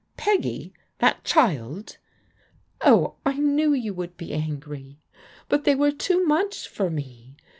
Peggy I That child !L *' Oh, I knew you would be angry. But they were too U much for me.